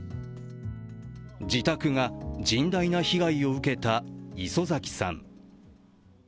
自宅が甚大な被害を受けた磯崎さん。